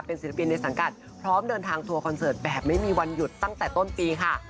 ศิลปินในสังกัดพร้อมเดินทางทัวร์คอนเสิร์ตแบบไม่มีวันหยุดตั้งแต่ต้นปีค่ะ